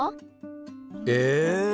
え！